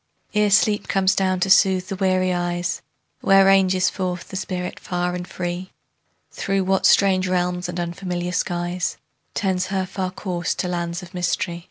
Ere sleep comes down to soothe the weary eyes, Where ranges forth the spirit far and free? Through what strange realms and unfamiliar skies. Tends her far course to lands of mystery?